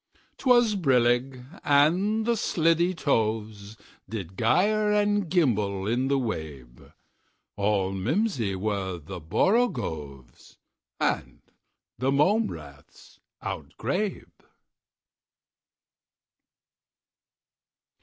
'T was brillig, and the slithy tovesDid gyre and gimble in the wabe; All mimsy were the borogoves, And the mome raths outgrabe.